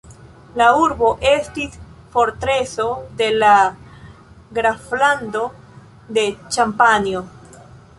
La urbo estis fortreso de la graflando de Ĉampanjo.